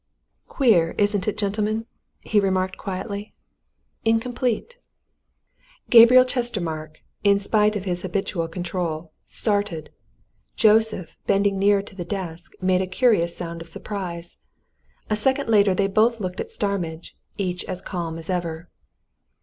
"Queer, isn't it, gentlemen?" he remarked quietly. "Incomplete!" Gabriel Chestermarke, in spite of his habitual control, started: Joseph, bending nearer to the desk, made a curious sound of surprise. A second later they both looked at Starmidge each as calm as ever.